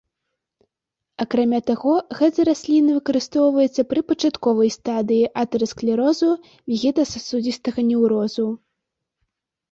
Акрамя таго, гэта расліна выкарыстоўваецца пры пачатковай стадыі атэрасклерозу, вегета-сасудзістага неўрозу.